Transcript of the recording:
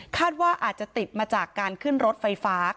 ว่าอาจจะติดมาจากการขึ้นรถไฟฟ้า